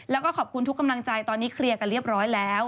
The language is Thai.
แล้วก็ขอบคุณทุกกำลังใจตอนนี้เคลียร์กันเรียบร้อยแล้ว